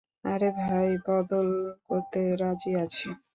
আরে ভাই, বদল করতে রাজি আছি।